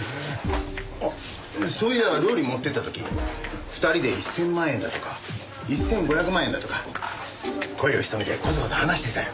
あっそういや料理持っていった時２人で１０００万円だとか１５００万円だとか声を潜めてコソコソ話していたよ。